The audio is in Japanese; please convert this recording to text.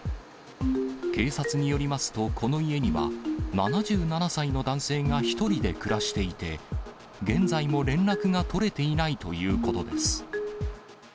警察によりますと、この家には、７７歳の男性が１人で暮らしていて、現在も連絡が取れていないということです。